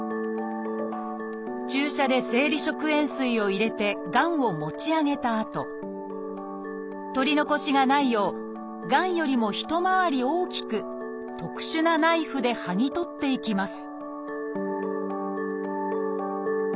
注射で生理食塩水を入れてがんを持ち上げたあと取り残しがないようがんよりも一回り大きく特殊なナイフではぎ取っていきます